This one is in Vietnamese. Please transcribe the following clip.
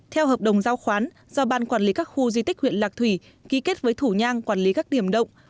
theo hợp đồng giao khoán do ban quản lý các khu di tích huyện lạc thủy ký kết với thủ nhang quản lý các điểm động